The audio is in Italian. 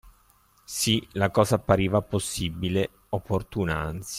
Sì, la cosa appariva possibile, opportuna anzi.